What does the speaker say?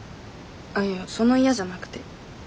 あっいやその嫌じゃなくて。